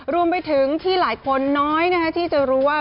รวมไปถึงที่หลายคนน้อยที่จะรู้ว่า